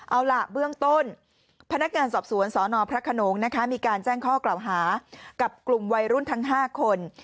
เอาล่ะเบื้องต้นพนักงานสอบสวนสนพระขนงนะคะมีการแจ้งข้อกล่าวหากับกลุ่มวัยรุ่นทั้ง๕คน